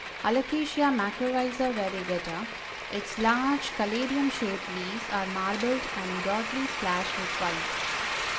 Alocacia Macrorhiza Variegata, its large caladium shaped leaves are marbled and broadly splashed with white.